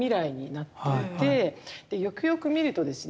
でよくよく見るとですね